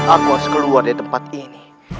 aku harus keluar dari tempat ini